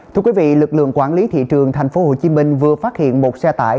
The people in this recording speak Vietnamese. thưa quý vị lực lượng quản lý thị trường tp hcm vừa phát hiện một xe tải